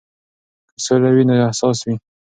که سوله وي نو حساس وي.